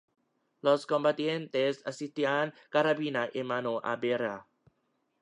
Los combatientes asistían carabina en mano a verla.